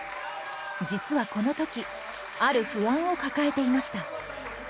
実はこの時ある不安を抱えていました。